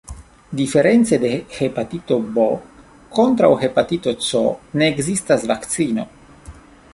Diference de hepatito B, kontraŭ hepatito C ne ekzistas vakcino.